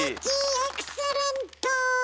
エクセレント！